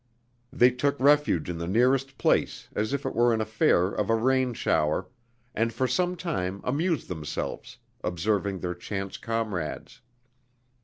They took refuge in the nearest place as if it were an affair of a rain shower, and for some time amused themselves observing their chance comrades.